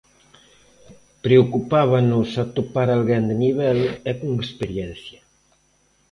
Preocupábanos atopar alguén de nivel e con experiencia.